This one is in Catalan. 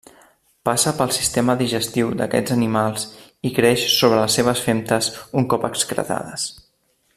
Passa pel sistema digestiu d'aquests animals i creix sobre les seves femtes un cop excretades.